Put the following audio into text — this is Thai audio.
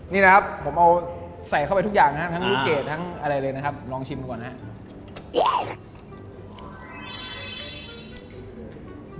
นี่นะครับผมเอาใส่เข้าไปทุกอย่างนะครับทั้งลูกเกดทั้งอะไรเลยนะครับลองชิมก่อนนะครับ